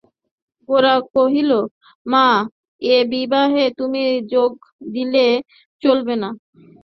গোরা কহিল, মা, এ বিবাহে তুমি যোগ দিলে চলবে না।